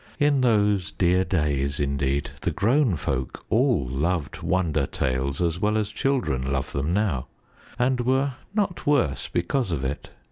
In those dear days, indeed, the grown folk all loved wonder tales as well as children love them now and were not worse because of it.